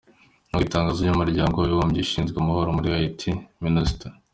org itangaza iby’Umuryango w’Abibumbye ushinzwe amahoro muri Haiti” Minustah“.